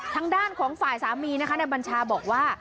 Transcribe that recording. ทางด้านของฝ่ายสามีนะคะในบัญชาบอกว่า